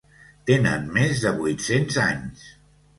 Tenen més de vuit-cents anys!